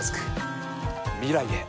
未来へ。